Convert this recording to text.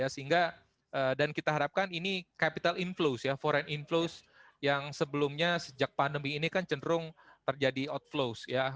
sehingga dan kita harapkan ini capital inflows ya foreign inflows yang sebelumnya sejak pandemi ini kan cenderung terjadi outflows ya